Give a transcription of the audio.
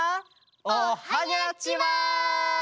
おはにゃちは！